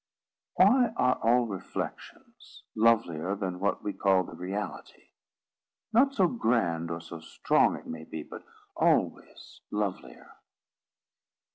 Why are all reflections lovelier than what we call the reality?—not so grand or so strong, it may be, but always lovelier?